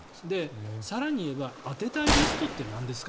更に言えば、当てたいリストってなんですか？